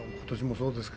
そうですね。